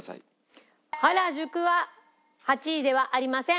原宿は８位ではありません。